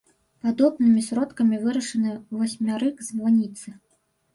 Падобнымі сродкамі вырашаны васьмярык званіцы.